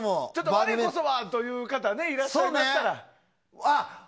我こそはという方いらっしゃいましたら。